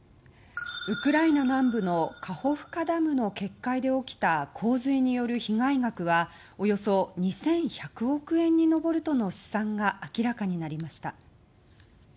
ウクライナ南部のカホフカダムの決壊で起きた洪水による被害額はおよそ２１００億円に上るとの試算が明らかになりました。